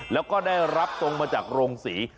แล้วก็ได้รับทรงมาจากโรงศรี